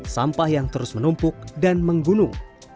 sampah yang terus menumpuk dan menggunung